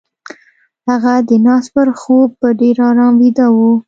هغه د ناز پر خوب په ډېر آرام ويده وه.